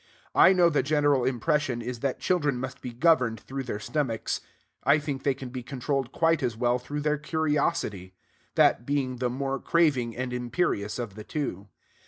I know the general impression is that children must be governed through their stomachs. I think they can be controlled quite as well through their curiosity; that being the more craving and imperious of the two.